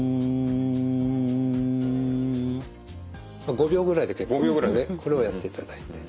５秒ぐらいで結構ですのでこれをやっていただいて。